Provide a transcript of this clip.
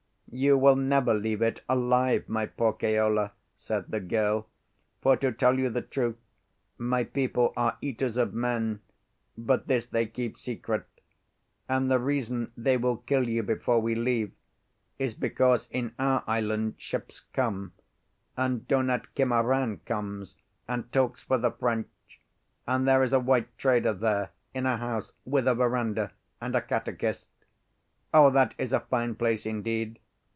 "You will never leave it alive, my poor Keola," said the girl; "for to tell you the truth, my people are eaters of men; but this they keep secret. And the reason they will kill you before we leave is because in our island ships come, and Donat Kimaran comes and talks for the French, and there is a white trader there in a house with a verandah, and a catechist. Oh, that is a fine place indeed!